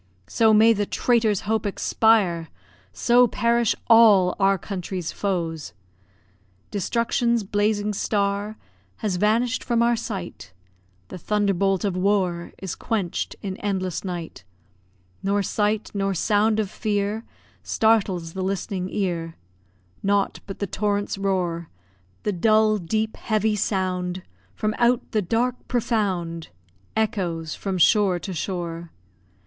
So may the traitor's hope expire, So perish all our country's foes! Destruction's blazing star Has vanish'd from our sight; The thunderbolt of war Is quench'd in endless night; Nor sight, nor sound of fear Startles the listening ear; Naught but the torrent's roar, The dull, deep, heavy sound, From out the dark profound, Echoes from shore to shore.